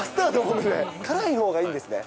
辛いほうがいいんですね。